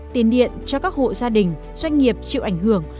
tiền điện cho các hộ gia đình doanh nghiệp chịu ảnh hưởng